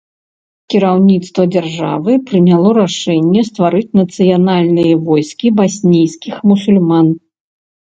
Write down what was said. Кіраўніцтва дзяржавы прыняло рашэнне стварыць нацыянальныя войскі баснійскіх мусульман.